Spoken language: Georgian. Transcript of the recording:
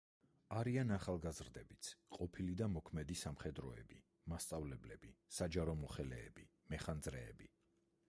არიან ახალგაზრდებიც, ყოფილი და მოქმედი სამხედროები, მასწავლებლები, საჯარო მოხელეები, მეხანძრეები.